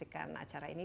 dan menyaksikan acara ini